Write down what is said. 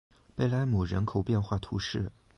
贝莱姆人口变化图示